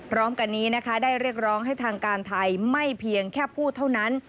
พร้อมกันนี้นะคะได้เรียกร้องให้ทางการไทยไม่เพียงแค่พูดเท่านั้น